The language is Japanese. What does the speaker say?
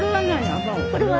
これは何？